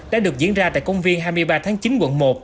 đã được diễn ra tại công viên hai mươi ba tháng chín quận một